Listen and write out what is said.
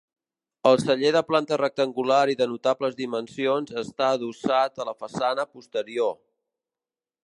El celler de planta rectangular i de notables dimensions està adossat a la façana posterior.